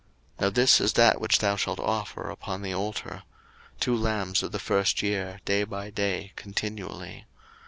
02:029:038 Now this is that which thou shalt offer upon the altar; two lambs of the first year day by day continually.